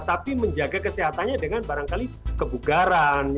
tapi menjaga kesehatannya dengan barangkali kebugaran